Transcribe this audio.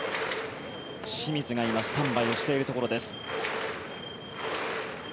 清水が今、スタンバイをしているところです。